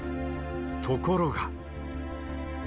ところが。